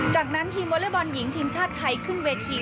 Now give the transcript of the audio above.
จากนั้นทีมวอเล็กบอลหญิงทีมชาติไทยขึ้นเวที